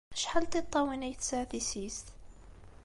Acḥal n tiṭṭawin ay tesɛa tissist?